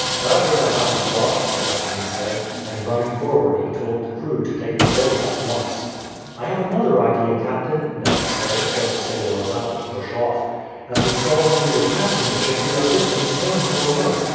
"That is a happy thought," the captain said; and running forward he told the crew to take the boat at once. "I have another idea, captain," Ned said, just as they were about to push off. "As we saw when we were passing the ship we are drifting stern foremost.